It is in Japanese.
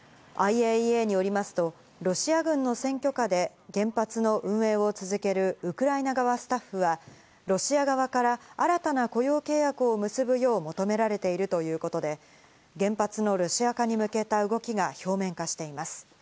ＩＡＥＡによりますとロシア軍の占拠下で原発の運営を続けるウクライナ側スタッフはロシア側から新たな雇用契約を結ぶよう求められているということで、原発のロシア化に向けた動きが表面化しています。